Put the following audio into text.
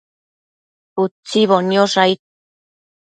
Utsimbo niosh aid